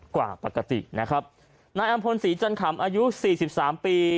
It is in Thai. กว่าปกตินะครับนายอำพลศรีจันขำอายุสี่สิบสามปี